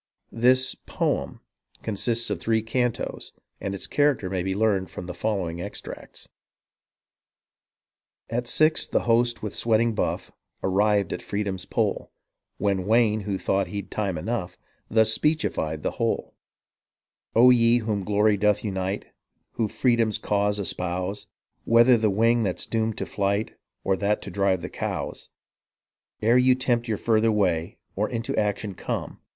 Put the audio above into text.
This " poem " consists of three cantos, and its character may be learned from the following extracts :— '•At six, the host with sweating buff Arrived at Freedom's Pole When Wayne who thought he"d time enough Thus speechified the whole :''' O ye whom glory doth unite Who freedom's cause espouse Whether the wing that's doomed to flight Or that to drive the cows ;"' Ere yet you tempt your further way Or into action come.